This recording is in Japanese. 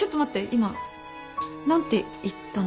今何て言ったの？